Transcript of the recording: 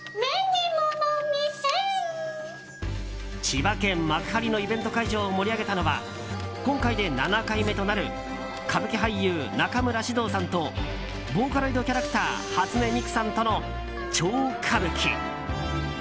千葉県幕張のイベント会場を盛り上げたのは今回で７回目となる歌舞伎俳優・中村獅童さんとボーカロイドキャラクター初音ミクさんとの超歌舞伎。